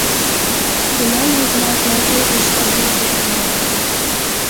Тунам Йыгнат лагерь гыч толын веле ыле.